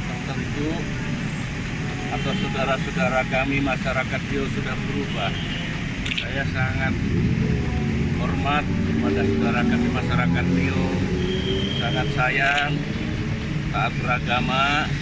sementara itu apa saudara saudara kami masyarakat bio sudah berubah saya sangat hormat kepada saudara saudara masyarakat bio sangat sayang tak beragama